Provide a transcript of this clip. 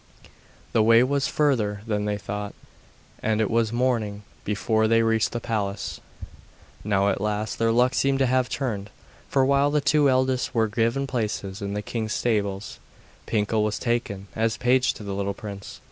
The way was further than they thought, and it was morning before they reached the palace. Now, at last, their luck seemed to have turned, for while the two eldest were given places in the king's stables, Pinkel was taken as page to the little prince.